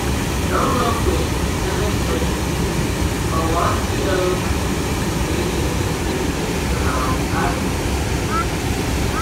Known locally as the Civic City, Olanchito's main industry is based around agriculture.